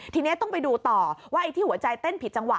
ทีนี้ต้องไปดูต่อว่าไอ้ที่หัวใจเต้นผิดจังหว